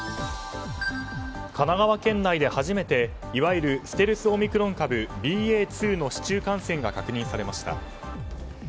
神奈川県内で初めていわゆるステルスオミクロン株ＢＡ．２の市中感染が確認されました。